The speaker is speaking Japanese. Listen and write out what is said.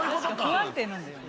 不安定なんだよね